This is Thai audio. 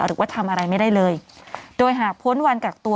หรือว่าทำอะไรไม่ได้เลยโดยหากพ้นวันกักตัว